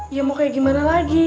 ya mau kayak gimana lagi